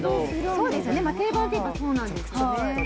そうですね、定番といえばそうなんですけどね。